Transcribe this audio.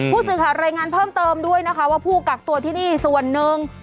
ผู้สื่อข่าวรายงานเพิ่มเติมด้วยนะคะว่าผู้กักตัวที่นี่ส่วนหนึ่ง